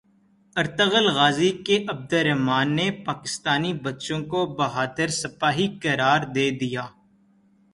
Ertugrul Ghazi کے Abdurrahman نے پاکستانی بچوں کو بہادر سپاہی قرار دے دیا